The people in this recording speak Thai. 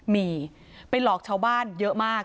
มีไปหลอกชาวบ้านเยอะมาก